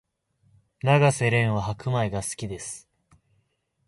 永瀬廉は白米が好きです